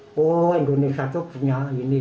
ini satu punya ini punya itu punya